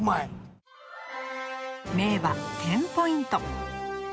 名馬テンポイント。